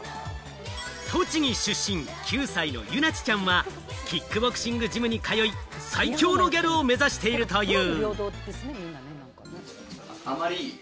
栃木出身、９歳のゆなちちゃんはキックボクシングジムに通い、最強のギャルを目指しているという。